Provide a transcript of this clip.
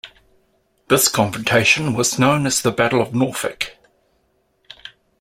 This confrontation was known as the Battle of Norfolk.